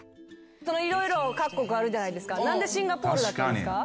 色々各国あるじゃないですか何でシンガポールだったんですか？